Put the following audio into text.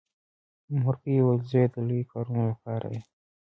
مورکۍ ویل زويه د لويو کارونو لپاره یې.